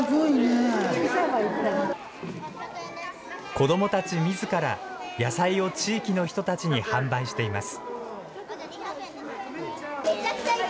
子どもたちみずから、野菜を地域の人たちに販売しています。